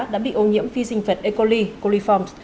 đã bị ô nhiễm phi sinh vật e coli coliforms